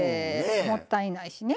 もったいないしね。